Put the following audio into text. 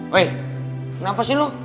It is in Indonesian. woy kenapa sih lu